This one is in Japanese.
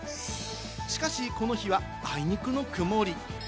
しかしこの日は、あいにくの曇り。